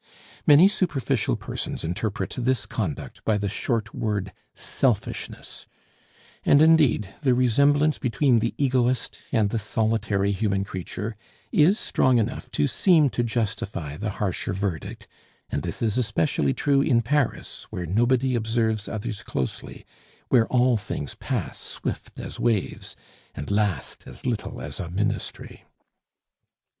Many superficial persons interpret this conduct by the short word "selfishness;" and, indeed, the resemblance between the egoist and the solitary human creature is strong enough to seem to justify the harsher verdict; and this is especially true in Paris, where nobody observes others closely, where all things pass swift as waves, and last as little as a Ministry.